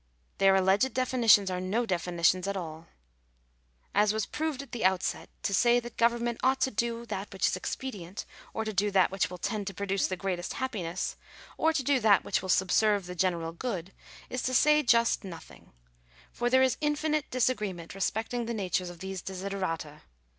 Their alleged definitions are no defi nitions at all. As was proved at the outset (p. 3), to say that government ought to do that which is "expedient," or to do that which will tend to produce the " greatest happiness," or to do that which will subserve the " general good," is to say just nothing; for there is infinite disagreement respecting the natures of these desiderata.